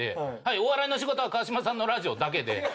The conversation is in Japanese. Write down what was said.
お笑いの仕事は川島さんのラジオだけで。